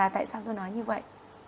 tại sao tôi nói như vậy